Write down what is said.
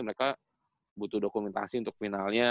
mereka butuh dokumentasi untuk finalnya